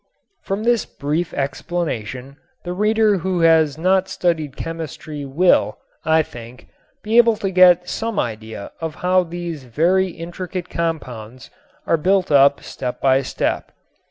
From this brief explanation the reader who has not studied chemistry will, I think, be able to get some idea of how these very intricate compounds are built up step by step.